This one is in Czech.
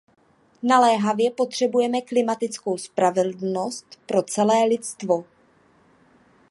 Naléhavě potřebujeme klimatickou spravedlnost pro celé lidstvo.